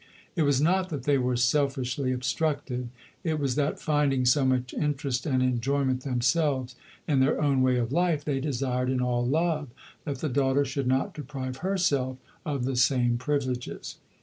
It was not that they were selfishly obstructive; it was that, finding so much interest and enjoyment themselves in their own way of life, they desired in all love that the daughter should not deprive herself of the same privileges.